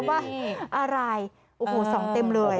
ว่าอะไรโอ้โหส่องเต็มเลย